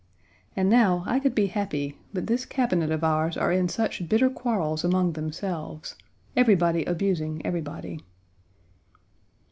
And now I could be happy, but this Cabinet of ours are in such bitter quarrels among themselves everybody abusing everybody.